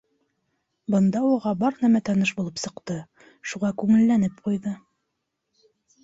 Бында уға бар нәмә таныш булып сыҡты, шуға күңелләнеп ҡуйҙы.